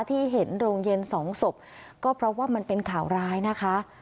ที่เห็นโรงเย็นสองศพก็เพราะว่ามันเป็นข่าวร้ายนะคะ